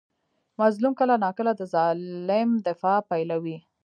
مظلوم کله ناکله د ظالم دفاع پیلوي.